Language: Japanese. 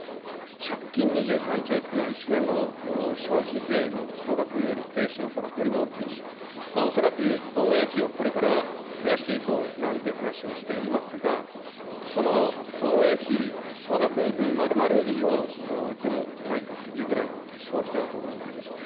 借金２３兆円っていうのは、１年の消費税の総額より、税収の総額よりも大きいし、恐らく、防衛費をこれから増やしていこうなんていう話をしていますが、その防衛費、総額分丸々以上でもないかというぐらいの大きさだと思います。